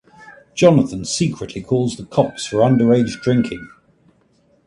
Jonathan secretly calls the cops for underage drinking.